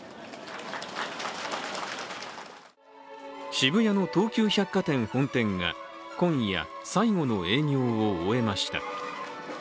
渋谷の東急百貨店本店が今夜最後の営業を終えました。